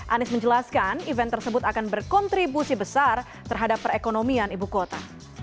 anies menjelaskan event tersebut akan berkontribusi besar terhadap perekonomian ibu kota